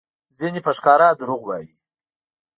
ځینې په ښکاره دروغ وایي؛